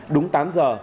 đúng tám giờ